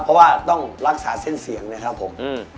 เพราะว่าต้องรักษาเส้นเสียงนะครับผม